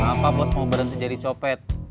kenapa bos mau berhenti jadi copet